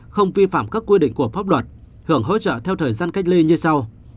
không vi phạm các quy định của pháp luật hưởng hỗ trợ theo thời gian cách ly như sau